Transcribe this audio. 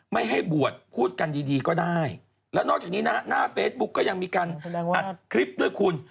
ไม่ให้บวชพูดกันดีดีก็ได้แล้วนอกจากนี้นะฮะหน้าเฟซบุ๊กก็ยังมีการอัดคลิปด้วยคุณ